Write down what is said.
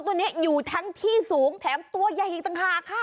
งูตัวนี้อยู่ทั้งที่สูงแถมตัวยะหิตังฮาค่ะ